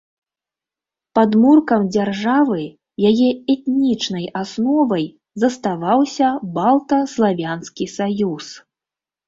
Падмуркам дзяржавы, яе этнічнай асновай заставаўся балта-славянскі саюз.